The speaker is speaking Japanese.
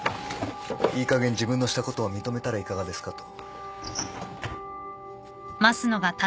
いいかげん自分のしたことを認めたらいかがですかと。